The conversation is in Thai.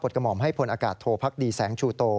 กระหม่อมให้พลอากาศโทพักดีแสงชูโต